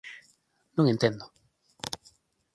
“Non entendo”.